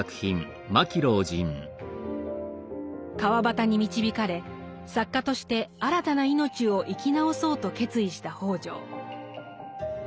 川端に導かれ作家として新たな命を生き直そうと決意した北條。